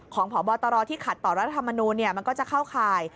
ของผอบาตรอที่ขัดต่อราธรรมนูย์มันก็จะเข้าค่าย